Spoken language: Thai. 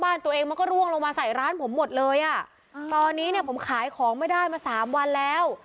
ค้าวันนี้ผมขายของมาไม่ได้มา๓วันแล้ว